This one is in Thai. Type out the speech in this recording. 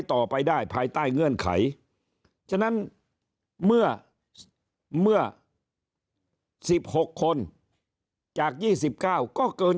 ต่อไปได้ภายใต้เงื่อนไขฉะนั้นเมื่อ๑๖คนจาก๒๙ก็เกิน